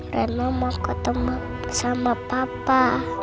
reno mau ketemu sama papa